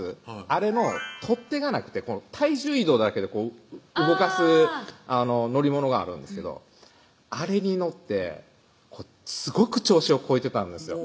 あれの取っ手がなくて体重移動だけで動かす乗り物があるんですけどあれに乗ってすごく調子をこいてたんですよ